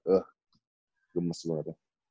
eh gemes banget ya